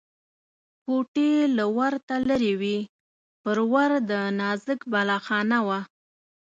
کوټې له ورته لرې وې، پر ور د نازک بالاخانه وه.